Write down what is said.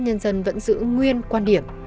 nhân dân vẫn giữ nguyên quan điểm